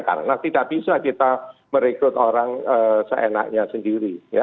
karena tidak bisa kita merekrut orang seenaknya sendiri